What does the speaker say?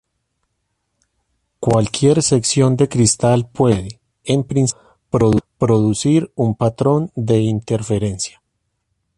Cualquier sección de cristal puede, en principio, producir un patrón de interferencia.